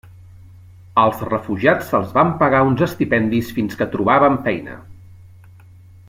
Als refugiats se'ls van pagar uns estipendis fins que trobaven feina.